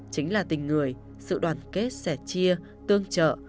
chính là tình người sự đoàn kết sẻ chia tương trợ